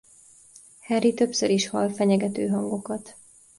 Harry többször is hall fenyegető hangokat.